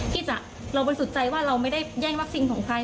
ที่เราบริสุทธิ์ใจว่าเราไม่ได้แย่งวัคซีนของใคร